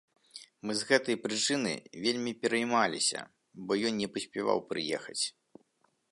Мы з гэтай прычыны вельмі пераймаліся, бо ён не паспяваў прыехаць.